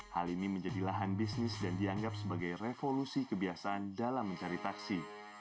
hal ini menjadi lahan bisnis dan dianggap sebagai revolusi kebiasaan dalam mencari taksi